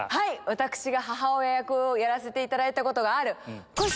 私が母親役をやらせていただいたことがある。